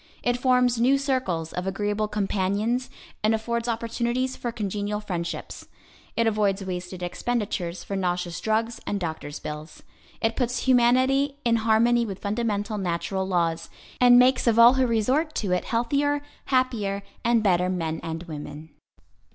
It forms new circles of agreeable companions, and affords opportunities for congenial friendships. It avoids wasted expenditures for nauseous drugs and doctor's bills. It puts humanity in harmony with fundamental natural laws, and makes of all who resort to it healthier, happier and better men and women.